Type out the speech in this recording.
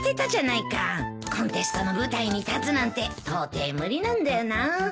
・コンテストの舞台に立つなんてとうてい無理なんだよなぁ。